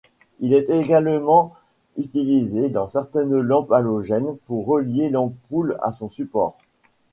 Il est également utilisé dans certaines lampes halogènes pour relier l'ampoule à son support.